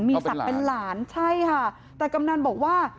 มีศักดิ์เป็นหลานใช่ค่ะแต่กำนันบอกว่า